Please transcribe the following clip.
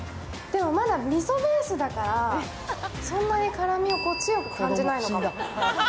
でも、まだみそベースだからそんなに辛みを強く感じないのかな。